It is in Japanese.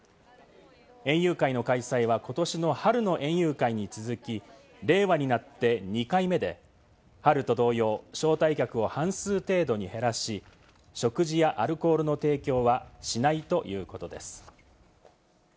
園遊会の開催は、ことしの春の園遊会に続き、令和になって２回目で、春と同様、招待客を半数程度に減らし、食事やアルコールの提供はしないということです。